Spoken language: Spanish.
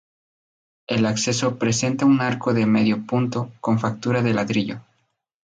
El acceso presenta un arco de medio punto con factura de ladrillo.